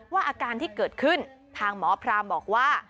อาการที่เกิดขึ้นทางหมอพรามบอกว่า